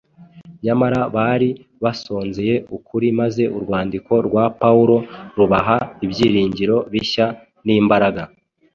Nyamara bari basonzeye ukuri maze urwandiko rwa Pawulo rubaha ibyiringiro bishya n’imbaraga,